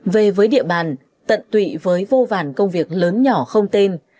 về với địa bàn tận tụy với vô vàn công việc lớn nhỏ không tên